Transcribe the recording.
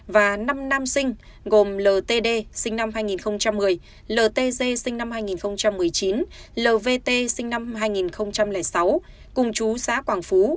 và năm nam sinh gồm ltd sinh năm hai nghìn một mươi ltg sinh năm hai nghìn một mươi chín lvt sinh năm hai nghìn sáu cùng chú xã quảng phú